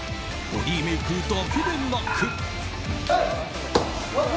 ボディーメイクだけでなく。